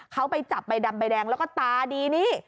เขาไปจับใบดำใบแดงแล้วก็ตาดีนี้